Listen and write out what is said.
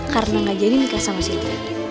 karena tidak jadi nikah sama sendiri